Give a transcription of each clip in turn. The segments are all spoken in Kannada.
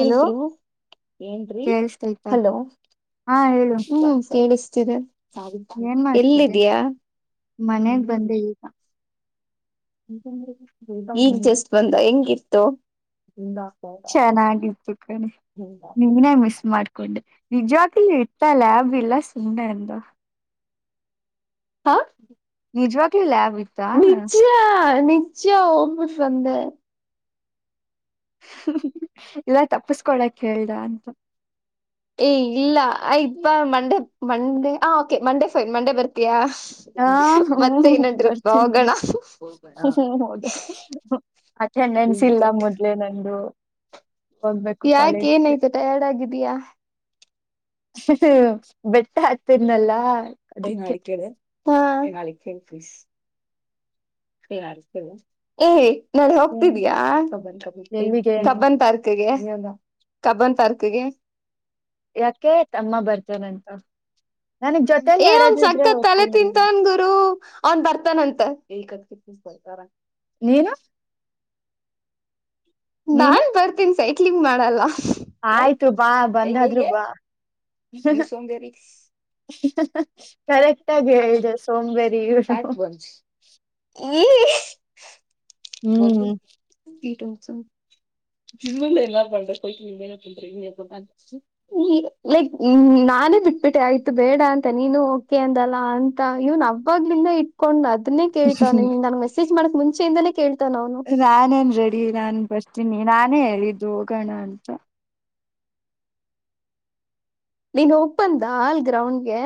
ಹಲೋ ಏನ್ರಿ ಕೇೇಳಸ್ತಯ್ತಾ ಹಲೋ. ಹಾ ಹೇಳು ಹ್ಮ್ ಕೇಳಿಸ್ತೀರ ಎಲ್ಲಿದ್ಯಾ? ಮನ್ಯಾಲಿ ಈಗ್ ಜಸ್ಟ್ ಬಂದ ಹೆಂಗಿತ್ತು. ಚೆನ್ನಾಗಿತ್ತು ಕಣೆ ನೀನೇ ಮಿಸ್ ಮಾಡ್. ನಿಜತ್ ಇಟ್ಟ ಲಾಬ್ ಎಲ್ಲ ಸುನ್ನ ಅಂತ. ಹಾ ನಿಜವಾಗಲಲಿ ಲಯಾಬ್ ಇ. ನಿಜಯಾ ನಿಜಯ ಒಓಂಬಟ್ ಬಂದ ಇಲ್ಲ ತಪ್ಪಸ್ಕೊಕ್ ಹೇಳ್ದ ಅಂತ. ಏ ಇಲ್ಲ ಆಯ್ತ್ Monday Monday okay Monday fine Monday ಬರ್ತೀಯಾ? ಹಾ ಹ್ಮ್ ಮತ್ತೆ ಇನ್ನೊಂದ್ ಟ್ರಿಪ್ ಬರ್ತೀನಿ ಹೋಗೋಣ ಹ್ಮ ಹೌದ. ಅಟೆಂಡೆನ್ಸ್ ಇಲ್ಲ ಮೊದ್ಲೆೇ ನಂದು? ಹೋಗ್ಬೇಕು ಯಾಕೆ ಕಾಲೇಜ್ಗೆ ಏನಾಯ್ತು ಟಯಾರ್ಡ್ ಆಗಿದಯಾ. ಹ್ಮ ಬೆಟ್ಟ ಹಾತರ್ನಲ್ಲ ಹನಾಳ ಕೇಳಿನಾಳಿಕ ಪ್ಸ್. ಏ್ ನಾಳೆ ಹೋಗ್ತಿದಯಾ ಹಬ್ಬನ್ ಎಲ್ಲಿಗೆ ತಾರ. ತರ್ಕ ಕಬನ ತರ್ಕಗೆ. ಯಾಕೆ ತಮ್ಮ ಬರ್ತಾನಂತ? ಏ ಒಂದ ಸಕ್ಕತ್ ತಲೆ ಹೋಗ್ತೀನಿ ನಾನು ತಿಂತನ್ ಗುರು? ಅವನ್ ಬರ್ತಾನಂತ ಕತ್ ಕ. ನೀನು? ನೀನು ನಾನ್ ಬರ್ತೀನಿ ಸೈಕ್ಲಿಂಗ್ ಮಾಡಲ್ಲ. ಆಯ್ತು ಬಾ ಬಂದಾದ್ರು ಬಾ. ಕರೆಕ್ಟ್ ಆಗಿ ಹೇಳ್ದ ಸೋಂಬೇರಿ ಇವ್ಳು ಪ್ಯಾಕ್ ಬಂದ ಬತ ಹ್ಮ್ ಲ್ಲ ಪ ನೀನ ಪೀ ಈ ಲೈಕ್ ನಾನೇ ಬಿಟ್ಬಿಟ್ಟೆ ಆಯ್ತು ಬೇಡ ಅಂತ ನೀನು ಓಕೆ ಅಂದಲ್ಲ ಅಂತ ಇವ್ನ್ ಅವಾಗ್ಲಿಂದ ಇಟ್ಕೊಂಡ್ ಅದನ್ನೇ ಕೇಳ್ತಾವ ನಿಮ ನನ್ ಮಸೇ್ ಮಾಡಕ್ ಮುಂಚೆಯಿಂದಾನೇ ಕೇಳ್. ನಾನೇನ್ ರೆಡಿ ನಾನನ್ ಬರ್ತೀನಿ ನಾನೇ ಹೇಳಿದ್ದು ಹೋಗೋಣ ಅಂತ ನೀನ್ ಒಪ್ಪಂದ ಅಲ್ ಗ್ರೌಂಡ್ಗೆ.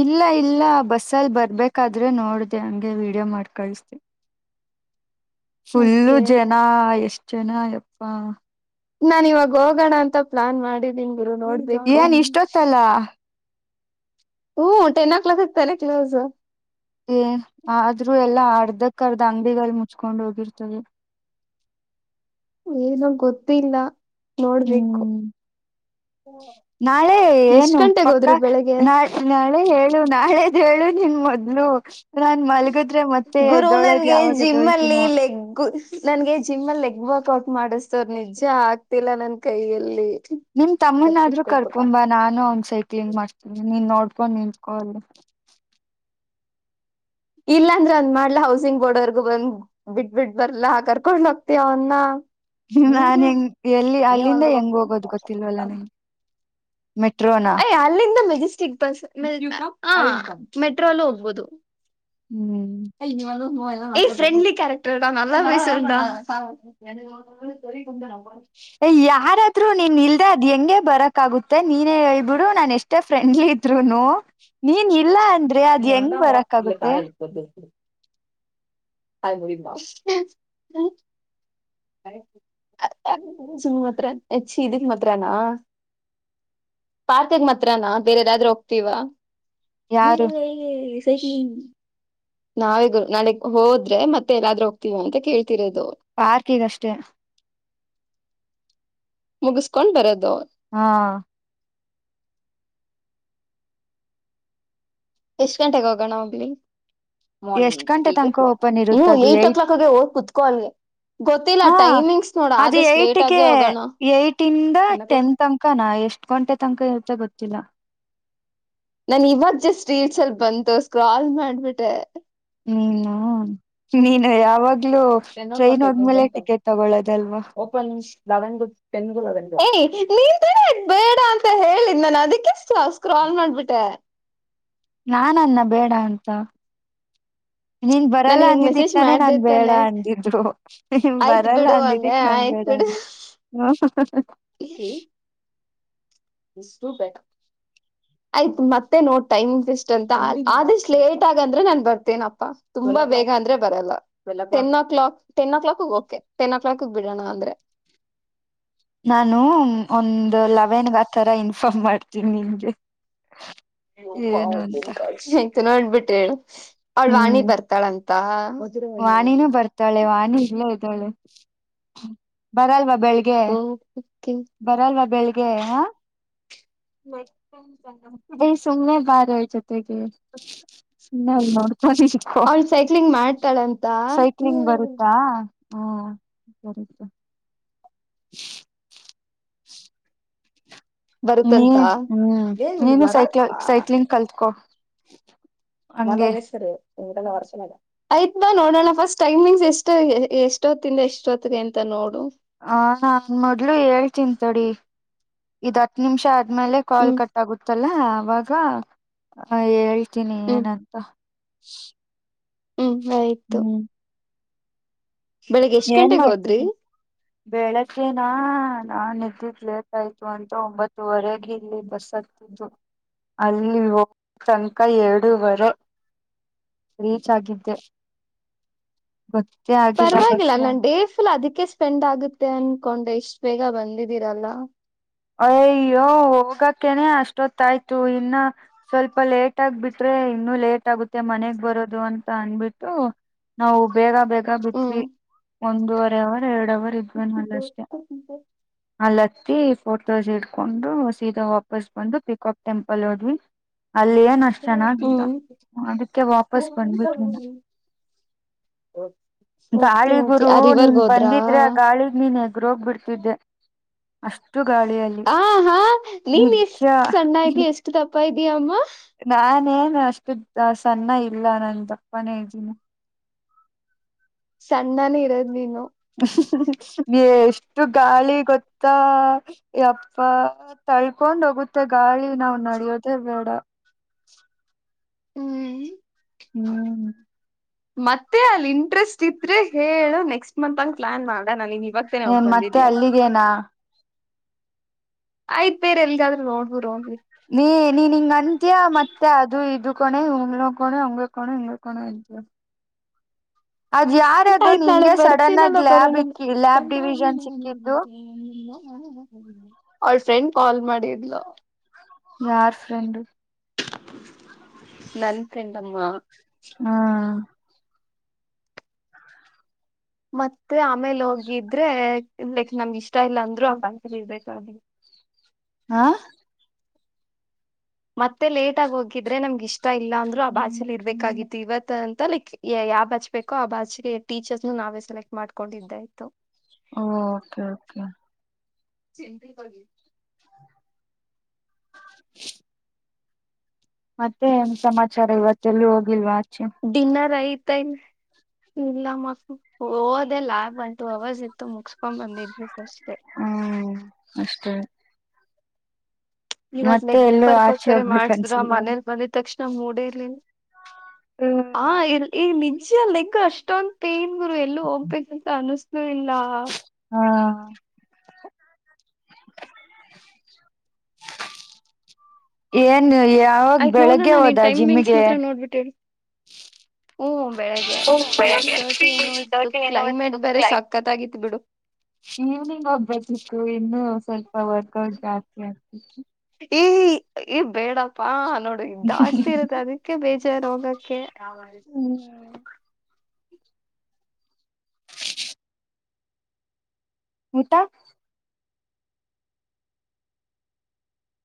ಇಲ್ಲ ಇಲ್ಲ ಬಸ್ಸಲ್ಲಿ ಬರ್ಬೇಕಾದ್ರೆ ನೋಡ್ದ ಹಂಗೆ ವೀಡಿಯೋ ಮಾಡಿ ಕಳಸತೆ. ಫುಲ್ಲು ಓಕೆ ಜನ ಎಷ್ಟ ಜನ ಅಯಪ್ಪಾ. ನಾನ್ ಇವಾಗ ಹೋಗೋಣ ಅಂತ ಪ್ಲಾನ್ ಮಾಡಿದ್ದೀನ್ ಗುರು ನೋಡಿ. ಏನ್ ಇಷ್ಟೊತ್ತಲ್ಲ. ಹ್ಮ್ ಟೆನ್ ಓ ಕ್ಲಾಕ್ ಸಿಗ್ತಾನೆ ಕ್ಲೋಸ್. ಆದ್ರೂ ಎಲ್ಲಾ ಅರ್ಧಕ್ ಅರ್ಧ ಅಂಗಡಿಗಳು ಮುಚ್ಕೊಂಡ್ ಹೋಗಿರ್ತದೆ. ಏನ ಗೊತ್ತಿಲ್ಲ? ನೋಡ್ಬೇಕು ಹ್ಮ್ ನಾಳೆ ಎಷ್ಟ್ ಏನು ಗಂಟೆಗೆ ಪಕ್ಕಾ ಹೋದ್ರಿ ಬೆಳಿಗ್ಗೆ? ನಾ ನಾಳೆ ಹೇಳು ನಾಳೆದ್ ಹೇಳು ನಿನ್ ಮೊದ್ಲು? ನಾನ್ ಮಲ್ಗದ್ರೆ ಮತ್ತೆ ದೊಳೋದ್ ಯಾವಾಗ ದೊಳ್ಸಿನೋ. ಎಗು ನನ್ಗೆ ಜಿಮ್ ಅಲ್ಲಿ ಲೆಗ್ ವರ್ಕ್ ಔಟ್ ಮಾಡಿಸ್ತವ್ರ ನಿಜ ಆಗ್ತಿಲ್ಲ ನನ್ ಕೈಯಲ್ಲಿ. ನಿಮ ತಮ್ಮನಾದ್ರು ಕರ್ಕೊಂಬಾ ನಾನು ಅವಂದ್ ಸೈಕ್ಲಿಂಗ್ ಮಾಡ್ತೀನಿ ನೀನ್ ನೋಡ್ಕೊಂಡ್ ನಿಂತ್ಕೋ ಅಲ್ಲೇ. ಇಲ್ಲ ಅಂದ್ರೆ ಅವಂದ್ ಮಾಡ್ಲಾ ಹೌಸಿಂಗ್ ಬೋರ್ಡ್ವರ್ಗು ಬಂದ್ ಬಿಟ್ಬಿಟ್ ಬರ್ಲ ಕರ್ಕೊಂಡ್ ಹೋಗ್ತಿಯಾ ಅವನ್ನ. ನಾನ ಹೆಂಗ ಎಲ್ಲಿ ಅಲ್ಲಿಂದ ಹೆಂಗ ಹೋಗೋದು ಗೊತ್ತಿಲ್ವಲ್ಲ ನನ್ಗೆ ಮೆಟ್ರೋನ ಅಯ್ ಅಲ್ಲಿಂದ ಮೆಜೆಸ್ಟಿಕ್ ಬಸ್ ಮೆಟ್ರೋ ಅಲ್ಲೂ ಹೋಗ್ಬೋದು. ಹ್ಮ್ ಏ ಫ್ರೆಂಡ್ಲಿ ಕ್ಯಾರೆಕ್ಟರ್ [unintelligible] [unintelligible] ಏ ಯಾರಾದ್ರೂ ನೀನ್ ಇಲ್ದೆೆ ಅದ್ ಹೆಂಗೆ ಬರಕಾಗುತ್ತೆ ನೀನೇ ಹೇಳ್ಬಿಡು ನಾನ ಎಷ್ ಟೇ ಫ್ರೆಂಡ್ಲಿ ಇದ್ರುನು ನೀನ್ ಇಲ್ಲ ಅಂದ್ರೆ ಅದ್ ಹೆಂಗ್ ಬರಾಕ್ ಆಗುತ್ತೆ. ಸ ಬು [unintelligible] ಮಾತ್ರ ಹೆಚ್ಚ ಇದಕ್ ಮಾತ್ರಾನಾ. ಪಾರ್ಕಿಗ್ ಮಾತ್ರಾನಾ ಬೇರೆದಾದ್ರೂ ಹೋಗ್ತೀವಾ. ಯಾರು [unintelligible] ನಾವೇಗ ನಾಳೆಗ್ ಹೋದ್ರೆ ಮತ್ತೆ ಎಲ್ಲಾದ್ರೂ ಹೋಗ್ತಿೀವ ಅಂತ ಕೇಳ್ತಿರೋದು. ಪಾರ್ಕಿಗಷ್ಟೇ ಮುಗಿಸ್ಕೊಂಡ್ ಬರದು. ಹಾ ಎಷ್ಟ್ ಗಂಟೆಗೆ ಹೋಗೋಣ ಹೋಗ್ಲಿ. ಎಷ್ಟ್ ಮಾರ್ನಿಂಗ್ ಗಂಟೆ ಏಟ್ ಓ ತನಕ ಕ್ಲಾಕ್ ಓಪನ್ ಹೂ ಇರುತ್ತದು ಏಟ್ ಓ ಕ್ಲಾಕ್ಗ ಹೋಗಿ ಕುತ್ಕೋ ಅಲ್ಲಿ ಗೊತ್ತಿಲ್ಲ ಹಾ ಟೈಮಿಂಗ್ಸ್ ನೋಡ ಅದು ಆದಷ್ಟು ಲೇಟ್ ಏಟಿಗೆ ಆಗೆ ಹೋಗೋಣ ಒನ್ ಓ ಕ್ಲಾಕ್ ಕ್ಕಾನ ಎಷ್ಟು ಗಂಟೆ ತನಕ ಹೇಳ್ತಾ ಗೊತ್ತಿಲ್ಲ. ನಾನ್ ಇವಾಗ ಜಸ್ಟ್ ರೀಲ್ಸಲ್ ಬಂತು ಸ್ಕ್ರಾಲ್ ಮಾಡ್ಬಿಟ್ಟೆ. ಹ್ಮ ನೀನು ಯಾವಾಗ್ಲೂ ಟ್ರೈನ್ ಹೋದ್ಮೇಲೆ ಟಿಕೆಟ್ ತಗೊಳ್ಳೋದಲ್ವಾ. [unintelligible] ಏ ನೀನ್ ತಾನೇ ಬೇಡ ಅಂತ ಹೇಳಿದ್ ನಾನ್ ಅದಕ್ಕೆ ಇಷ್ಟ ಸ್ಕ್ರಾಲ್ ಮಾಡ್ಬಿಟ್ಟೆ. ನಾನ್ ಅಂದ್ನ ಬೇಡ ಅಂತ ನೀನ್ ನಾನ್ ಬರಲ್ಲ ಇವಾಗ ಅಂದಿದಿಕ್ ಮೆಸೇಜ್ ತಾನೇ ಮಾಡ್ದೆ ನಾನ್ ಬೇಡ ತಾನೆ ಅಂದಿದ್ದು ನೀನ್ ಬರಲ್ಲ ಅಂದಿದಿಕ್ ನಾನ್ ಬೇಡ್ ಎಡ [unintelligible] ಇಷ್ಟು ಬೇಕು ಆಯ್ತು ಮತ್ತೆ ನೋಡ್ ಟೈಮ್ ಎಸ್ಟ್ ಅಂತ ಆದಷ್ಟ್ ಲೇಟ್ ಆಗಂದ್ರೆ ನಾನ್ ಬರ್ತೇನಪ್ಪಾ. ತುಂಬಾ ಬೇಗ ಅಂದ್ರೆ ಬರಲ್ಲ. Ten o'clock ten o'clock ಗ್ ಓಕೆ ಟೆನ್ ಓ ಕ್ಲಾಕ್ ಬಿಡೋಣ ಅಂದ್ರೆ. ನಾನು ಒಂದು ಲವೆನ್ಗ ಆ ತರ ಇನ್ಫಾರ್ಮ್ ಮಾಡ್ತೀನಿ ನಿನ್ಗೆ ಏನು ಅಂತ ಆಯ್ತು ನೋಡ್ಬಿಟ್ ಹೇಳ ಅವಳ ವಾಣಿ ಹ್ಮ್ ಬರ್ತಾಳಂತ. ವಾಣಿನೂ ಬರ್ತಾಳೆ ವಾಣಿ ಇಲ್ಲೇ ಇದ್ದಾಳೆ ಬರಲ್ವಾ ಬೆಳಿ ಓ ಕೆ ಬರಲ್ವಾ ಬೆಳಿಗ್ಗೆ ಹಾ ಏ ಸುಮ್ನೆ ಬಾರೆ ಜೊತೆಗೆ ನನ್ ನೋಡ್ತಾ ಅವ್ಳ ಸೈಕ್ಲಿಂಗ್ ಮಾಡ್ತಾಳ ಅಂ ಸೈಕ್ಲಿಂಗ್ ಬರುತ್ತಾ ಹ್ಮ ಸರಿತ [unintelligible] [unintelligible] ನೀವ ಬರುತ್ತಂತ ಹ್ಮ್ ನೀನು ಸೈಕ್ಲ ಸೈಕ್ಲಿಂಗ್ ಕಲ್ತ್ಕೋ. ನಲ್ಲ ರೇಸರ್ ಇಲ್ಲ ವರ್ಸಲಗ ಆಯ್ತ್ ಬಾ ನೋಡೋಣ ಫಸ್ಟ್ ಟೈಮಿಂಗ್ಸ್ ಎಷ್ಟು ಎಷ್ಟ ಹೊತ್ತಿಂದ ಎಷ್ಟ ಹೊತ್ತಗೆ ಅಂತ ನೋಡು ಹ ನಾ ಮೊದ್ಲು ಹೇಳ್ ತಡಿ ಇದ್ ಹತ್ತು ನಿಮಿಷ ಆದ್ಮೇಲೆ ಕಾಲ್ ಹ್ಮ್ ಕಟ್ ಆಗುತ್ತಲ್ಲ ಅವಾಗ ಹೇಳ್ ತನಿ ಹ್ಮ್ ಏನಂತ ಹ್ಮ್ ಆಯ್ತು ಹ್ಮ್ ಬೆಳಿಗ್ಗೆ ಎಷ್ಟ್ ಏನ್ ಗಂಟೆಗೆ ಹೋದ್ರಿ ಮಾಡ್ತದೆ ಬೆಳ್ಳಿಗೆನಾ ನಾನ್ ಎದ್ದಿದ್ ಲೇಟ್ ಆಯ್ತು ಅಂತ ಒಂಬತ್ತುವರೆಗೆ ಇಲ್ಲಿ ಬಸ್ಸತ್ ಅಲ್ಲಿ ಹೋಗ್ತಾನಕ ಎರಡೂವರೆ ರೀಚ್ ಆಗಿದ್ದೆ ಗೊತ್ತೆ ಆಗಿಲ್ಲ ಬ ಅಲ್ಲ ಡೇ ಫುಲ್ ಅದಕ್ಕೆ ಸ್ಪೆಂಡ್ ಆಗುತ್ತೆ ಅನ್ಕೊಂಡೆ ಇಷ್ಟು ಬೇಗ ಬಂದ್ದೀರಲ್ಲ ಅಯ್ಯೋ ಹೋಗಕೆನೆ ಅಷ್ಟೊತ್ತ ಆಯ್ತು ಇನ್ನ ಸ್ವಲ್ಪ ಲೇಟ್ ಆಗ್ಬಿಟ್ರೆ ಇನ್ನುೂ ಲೇಟ್ ಆಗುತ್ತೆ ಮನೆಗ್ ಬರೋದು ಅಂತ ಅನ್ಬಿಟ್ಟು ನಾವು ಬೇಗ ಬೇಗ ಬಿಟ್ವಿ ಹ್ಮ್ ಒಂದೂವರೆ ಅವರ್ ಎರಡು ಅವರ್ ಇತ್ ಅಲ್ಲಷ್ಟೆ ಅಲ್ಲತ್ತಿ ಫೋಟೋಸ್ ಇಡ್ಕೊಂಡು ಸೀದಾ ವಾಪಸ್ ಬಂದು ಪಿಕಪ್ ಟೆಂಪಲ್ ನೋದ್ವಿ ಅಲ್ ಏನು ಅಷ್ಟ ಚೆನ್ನಾಗಿಲ್ಲ ಹ್ಮ್ ಅದಕ್ಕೆ ವಾಪಸ್ ಬಂದ್ಬಿಟ್ವಿ ನಾವು ಓಕೆ ಗಾಳಿ ಓಕೆ. ಗುರು ಆ ನೀನ್ ರಿವರ್ಗ್ ಹೋದ್ರಾ ಬಂದಿದ್ರೆ ಆ ಗಾಳಿಗ್ ನೀನ್ ಹೆ ಗ್ರೋಕ್ ಬಿಡ್ತಿದ್ದೆ ಅಷ್ಟು ಗಾಳಿಯಲ್ಲಿ ಹ ಹಾ ನೀನ್ ನಿಜ ಇಷ್ಟ ಸಣ್ಣಗಿ ಎಷ್ಟು ದಪ್ಪ ಇದ್ದೀಯಮ್ಮ ನಾನೇನ್ ಅಷ್ಟು ಸಣ್ಣ ಇಲ್ಲ ನನ್ ದಪ್ಪಾನೇ ಇದಿನಿ ಸಣ್ಣನೆ ಇರೋದ್ ನೀನು ಎಷ್ಟು ಗಾಳಿ ಗೊತ್ತ ತ್ತ ಯಪ್ಪ ತಳ್ಕೊಂಡ್ ಹೋಗುತ್ತೆ ಗಾಳಿ ನಾವ್ ನಡಿಯೋದೆ ಬೇಡ ಹ್ಮ್ [inaudible] ಮತ್ತೆ ಅಲ್ಲಿ ಇಂಟ್ರೆಸ್ಟ್ ಇದ್ರೆ ಹೇಳು ನೆಕ್ಸ್ಟ್ ಮಂತ್ ಹಂಗ್ ಪ್ಲಾನ್ ಮಾಡನ ನಿನ್ಗ್ ಏನ್ ಮತ್ತೆ ಅಲ್ಲಿಗೇನಾ ಆಯ್ತ್ ಬೇರೆ ಎಲ್ದಾದ್ರೂ ನೋಡ್ [unintelligible] ನೀ ನೀನ್ ಹಿಂಗ ಅಂತಿಯಾ ಮತ್ತೆ ಅದು ಇದು ಕಣೆ ಹಂಗ್ಳ ಕಣೆ ಹಂಗ ಕಣೆ ಹಿಂಗ ಕಣೆ ಅಂತಿಯಾ ಆಯ್ತ್ ನಾಳೆ ನಿಂಗೆ ಸಡನ್ ಬರ್ತೀನಲ್ಲ ಆಗಿ ಲ್ಯಾಬ್ ಇಕ್ಕಿ ಲ್ಯಾಬ್ ಡಿವಿಷನ್ ಸಿಕ್ಕಿದ್ದು [unintelligible] ಅವಳ್ ಫ್ರೆಂಡ್ ಕಾಲ್ ಮಾಡಿದ್ಲು ಯಾರ್ ಫ್ರೆಂಡು ನನ್ ಫ್ರೆಂಡ್ ಅಮ್ಮ ಹ್ಮ ಮತ್ತೆ ಆಮೇಲೆ ಹೋಗಿದ್ರೆ ಲೈಕ್ ನಮ್ಗೆ ಇಷ್ಟ ಇಲ್ಲ ಅಂದ್ರು ಆ ಬ್ಯಾಂಕಲ್ಲಿ ಇರ್ಬೇಕಾಗುತ್ತೆ ಹಾ ಮತ್ತೆ ಲೇಟ್ ಆಗಿ ಹೋಗಿದ್ರೆ ನಮ್ಗ ಇಷ್ಟ ಇಲ್ಲಾಂದ್ರರು ಆ ಬ್ಯಾಚ್ಲಿ ಇರ್ಬೇಕಾಗಿತ್ತು ಇವತ್ ಅಂತ ಲೈಕ್ ಎ ಯಾವ್ ಬ್ಯಾಚ್ ಬೇಕೋ ಆ ಬಚ್ಗೆ ಟೀಚರ್ಸನು ನಾವೇ ಸೆಲೆಕ್ಟ್ ಮಾಡ್ಕೊಂಡಿದ್ದ ಇತು ಹ್ಮ್ ಓಕೆ ಓಕೆ [unintelligible] [inaudible] ಮತ್ತೆ ಏನ್ ಸಮಾಚಾರ ಇವತ್ತೆಲ್ಲೂ ಹೋಗಿಲ್ವಾ ಆಚೆ ಡಿನ್ನರ್ ಐತ್ ಏನ್ ಇಲ್ಲಮ [unintelligible] ಓದೆಲ್ಲ ಒಂದ್ ಟು ಅವರ್ಸ್ ಇತ್ತು ಮುಗಸ್ಕೊಂಡ್ ಬಂದಿದು ಫಸ್ಟ್ ಹ್ಮ್ ಅಷ್ಟೇ ನೀವತ್ ಮತ್ತೆ ನೆಗ್ ಎಲ್ಲೂ ಪರ್ಪ ಆಚೆ ಬೇರೆ ಹೋಗ್ಬೇಕ ಮಾಡ್ಸಿದ್ರ ಅನ್ಸಿಲ್ವ ಮನೇಲಿ ಬಂದಿದ ತಕ್ಷಣ ಮೂಡೆ ಇರ್ಲಿ ಹಾ ಇಲ್ ಈಗ ನಿಜ ಲೆಗ್ ಅಷ್ಟೊಂದ್ ಪೇನ್ ಗುರು ಎಲ್ಲೂ ಹೋಗ್ಬೇಕ ಅಂತ ಅನ್ಸಲೆ ಇಲ್ಲ ಹಾ ಏನ್ ಯಾವಾಗ ಬೆಳಗ್ಗೆ ಹೋದ ಜಿಮ್ಮಿಗೆ ನೋಡ್ಬಿಟ್ಟಿ [unintelligible] ಹ್ಮ್ ಬೆಳಿಗ್ಗೆ ಸಿಕ್ಸ್ ತರ್ಟಿ ಏನೋ ಇ ಕ್ಲೈಮೇಟ್ ಬರ ಸಾಕ್ [unintelligible] ಕತ್ತ ಆಗಿತ್ ಬಿಡು [unintelligible] ಈವ್ನಿಂಗ್ ಒಬ್ಬತ್ಕ್ಕು ಇನ್ನು ಸ್ವಲ್ಪ ವರ್ಕ್ಟ್ ಜಾಸ್ತಿ ಆಗ್ತಿತ್ತು [unintelligible] ಈ ಈ ಬೇಡಪ್ಪಾ ನೋಡಿ [unintelligible] ಜಾಸ್ತಿ ಇರುತ್ತೆ ಅದಕ್ಕೆ ಬೇಜಾರ್ ರೋಗಕ್ಕೆ [unintelligible] ಹ್ಮ್ [unintelligible] ಹಊಟ [unintelligible]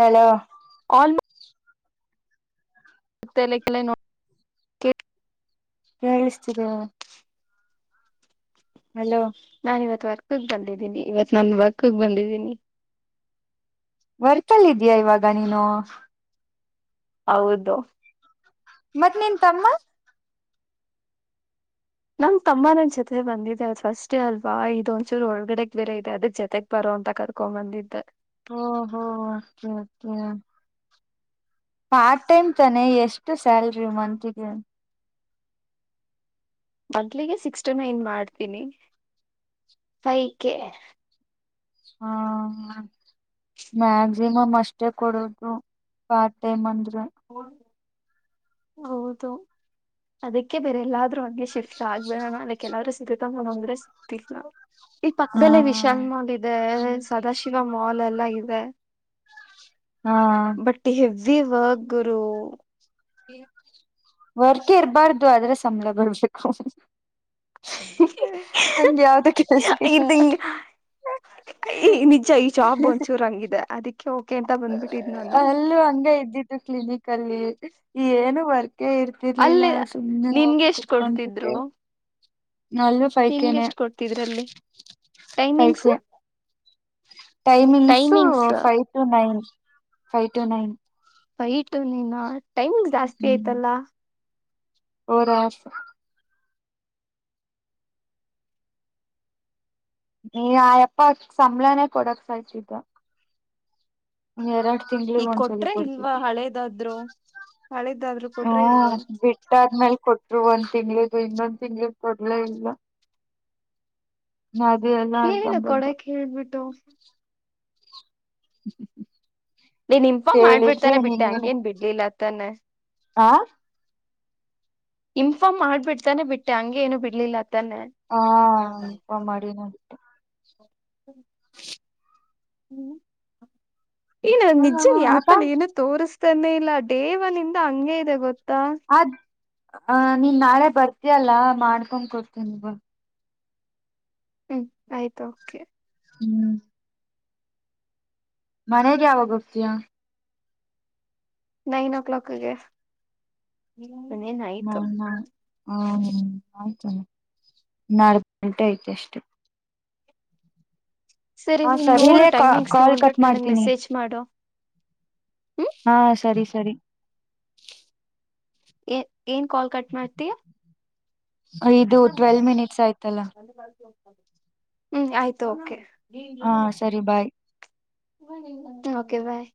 ಹಲೋ [unintelligible] ಆಲ್ [unintelligible] [inaudible] ಕೇಳಿಸ್ತಿದ್ದೀಯ ಹಲೋ ನಾನ್ ಇವತ್ ವರ್ಕ್ ಬಂದಿದ್ದೀನಿ ಇವತ್ ನನ್ನ ವರ್ಕ್ಗ್ ಬಂದಿದ್ದೀನಿ ವರ್ಕಲ್ಲಿ ಇದೀಯ ಇವಾಗ ನೀನು ಹೌದು ಮತ್ತ್ ನಿನ್ ತಮ್ಮ ನಂಗ್ ತಮ್ಮ ನನ್ ಜೊತೆ ಬಂದಿದೆ ಅದು ಫಸ್ಟ್ ಡೇ ಅಲ್ವಾ ಇದು ಒಂದಚೂರ್ ಒಳಗಡೆಗ್ ಬೇರೆ ಇದೆ ಅದ ಜೊತೆ ಬರುವಂತ ಕರ್ಕೊಂಡ್ ಬಂದಿದ್ದೆ ಓ ಹೋ ಅಕೆ ಅಕೆ ಪಾರ್ಟ್ ಟೈಮ್ ತಾನೇ ಎಷ್ಟು ಸ್ಯಾಲರಿ ಮಂತ್ಗೆ ಮಂತ್ಲಿಗೆ ಸಿಕ್ಸ್ ಟು ನೈನ್ ಮಾಡ್ತೀನಿ ಫೈವ ಕೆ ಹ್ಮ ಮ್ಯಕ್ಸಿಮಮ್ ಅಷ್ಟೇ ಕೊಡೋದು ಪಾರ್ಟ್ ಟೈಮ್ ಅಂದ್ರೆ [unintelligible] ಹೌದು ಅದಕ್ಕೆ ಬೇರೆ ಎಲ್ಲಾದ್ರೂ ಅಂಟ [unintelligible] ಶಿಫ್ಟ್ ಆಗ್ಬೇಡಣ ಅಕ್ ಕೆಲ್ಲ್ರ ಸಿಗುತ್ತ ಮ ಅಂದ್ರೆ ಸಿಗ್ತವಿ ನಾವು [unintelligible] ಈ ಹಾ ಪಕ್ಕದಲ್ಲೇ ವಿಶಾಲ್ ಮಾಲ್ ಇದೆ ಸದಾಶಿವ ಮಾಲ್ ಎಲ್ಲ ಇದೆ [unintelligible] ಹ ಹ ಬಟ್ಟಿ ಹೆವಿ ವಾಗರು ವರ್ಕ್ ಇರ್ಬಾರ್ದು ಆದ್ರೆ ಸಂಬಳ ಬರ್ಬೇಕು ಹಂಗೆ ಯಾವ್ದ ಕೆಲಸ ಇಲ್ಲ ಹೇಯ್ ನಿಜ ಈ ಜಾಬ್ ಒಂದ್ಚೂರು ಹಂಗಿದೆ ಅದಿಕ್ಕೆ ಓಕೆ ಅಂತ ಬಂದ್ಬಿಟ್ಟಿದ್ ನಾನು ಇಲ್ಲೂ ಹಂಗ ಇದ್ದಿದ ಕ್ಲಿನಿಕ್ ಅಲ್ಲಿ ಏನು ವರ್ಕೆ ಇರ್ ಇರ್ಲಿಲ್ಲ ಅಲ್ಲಿ ಸುಮ್ಮ್ನೆ ನಿನ್ಗೆ ಹೋಗಿ ಎಷ್ಟ್ ಕೊಡ್ತಿದ್ರು ಕುತ್ಕೊಂತಿದ್ದೆ ನಿನ್ಗೆ ಪೈಕೇನೆ ಎಷ್ಟ್ ಕೊಡ್ತಿದ್ರ ಅಲ್ಲಿ ಟೈಮಿಂಗ್ಸ್ ಪೈಕೆ timings timings five to nine five to nine ಬೈಟು ನ ನೀನು ಟೈಮ್ಂಗ ಜಾಸ್ತಿ ಆಯ್ತಲ್ಲಾ - ಒರಸತಾ ನೀ ಆಯಪ್ಪ ಸಂಬಳಾನೇ ಕೊಡಕ್ ಸಾಯತಿದ್ದ ಎರಡು ತಿಂಗಳಿಗೆ ಈಗ ಒಂದ್ಸಲ ಕೊಟ್ರೆ ಕೊಡ್ತಿದ್ದ ಇಲ್ವಾ ಹಳೇದಾದ್ರು ಹಳೇದಾದ್ರು ಹೂ ಕೊಟ್ರೆ ಇಲ್ವಾ ಬಿಟ್ ಬಿಟ್ಟಾದ್ಮೇಲೆ ಕೊಟ್ರು ಒಂದ್ ತಿಂಗಳಿದು ಇನ್ನೊಂದು ತಿಂಗ್ಳಿಗೆ ಕೊಡ್ಲೆ ಇಲ್ಲ ಅದೇ ಎಲ್ಲ ಆಯತ್ ಕೇಳು ಬಂದೆ ಕೊಡಕ್ ಹೇಳ್ಬಿಟ್ಟು ಹ್ಮ ಹ್ಮ ನೀನ್ ಇನ್ಫಾರ್ಮ್ ಮಾಡ್ಬಿಟ್ಟು ತಾನೇ ಬಿಟ್ಟೆ ನಿನ್ಗೇನ ಹಂಗೇನ್ ಬಿಡ್ಲಿಲ್ಲ ತಾನೆ ಆ ಇನ್ಫಾರ್ಮ್ ಮಾಡ್ಬಿಡ್ತಾನೆ ಬಿಟ್ಟೆ ಹಂಗಗೆ ಏನು ಬಿಡ್ಲಿಲ್ಲ ತಾನೆ ಮಾಡಿ ನೋ ಬಿಟ್ಟೆ ಹ್ಮ್ ಏನ ಅದ ನಿಜ ಹ್ಮ ಊಟ ಆಪಲ್ ಏನ ತೋರಿಸ್ತಾನೆ ಇಲ್ಲ ಡೇ ಒನ್ನಿಂದ ಹಂಗೆ ಇದೆ ಗೊತ್ತಾ ಅದ್ ನೀನ್ ನಾಳೆ ಬರ್ತಿಯಲ್ಲ ಮಾಡ್ಕೊಂಡ್ ಕೊಡ್ತೀನಿ ಬುಡ್ ಹ್ಮು ಆಯ್ತ್ ಓಕೆ ಹ್ಮೂ ಮನೆಗೆ ಯಾವಾಗ ಹೋಗ್ತಿಯಾ ನೈನೊ ಕ್ಲಾಕಿಗೆ ಇನ್ ನೇನ್ ಅಯ್ ನ ಹ ಹ್ಮೂ ಆಯ್ತಲ ನಾಲ್ಕು ಗಂಟೆ ಐತೆ ಅಷ್ಟೇ ಸರಿ ಹಾ ನೀನ್ ನೋಡು ಸರಿಲೇ ಟೈಮಿಂಗ್ಸ್ ಕಾಲ್ ಕಟ್ ನೋಡ್ಬಿಟ್ಟು ನನಗ್ ಮಾಡ್ತೀನಿ ಮೆಸೇಜ್ ಮಾಡು ಹ್ಮ್ ಹಾ ಸರಿ ಸರಿ ಏ ಏನ್ ಕಾಲ್ ಕಟ್ ಮಾಡ್ತಿಯ ಇದು ಟ್ವೆಲ್ವ್ ಮಿನಿಟ್ಸ್ ಆಯ್ತಲ್ಲ ಹ್ಮ್ ಆಯ್ತು ಒಕೆ ಹಾ ಸರಿ ಬಾಯ್ ಓಕೆ ಬಾಯ್